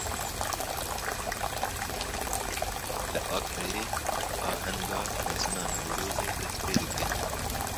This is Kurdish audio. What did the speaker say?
Li Akreyê ahenga mezin a Newrozê dest pê dike.